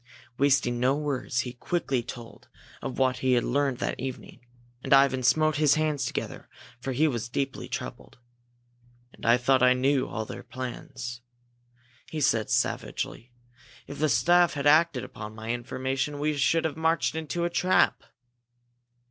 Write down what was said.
Wasting no words, he quickly told of what he had learned that evening. And Ivan smote his hands together for he was deeply troubled. "And I thought I knew all their plans!" he said, savagely. "If the staff had acted upon my information, we should have marched into a trap!"